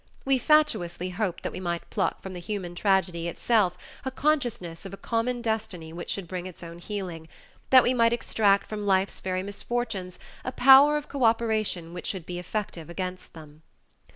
We fatuously hoped that we might pluck from the human tragedy itself a consciousness of a common destiny which should bring its own healing, that we might extract from life's very misfortunes a power of cooperation which should be effective against them.